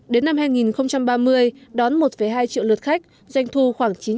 đến năm hai nghìn ba mươi đón một hai triệu lượt khách doanh thu khoảng chín trăm linh